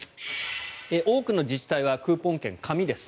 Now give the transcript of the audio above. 多くの自治体はクーポン券、紙です。